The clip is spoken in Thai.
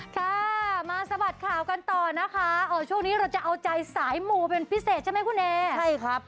ค่ะมาสะบัดข่าวกันต่อนะคะช่วงนี้เราจะเอาใจสายมูเป็นพิเศษใช่ไหมคุณเอใช่ครับ